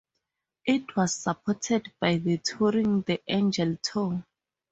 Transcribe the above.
It was supported by the Touring the Angel tour.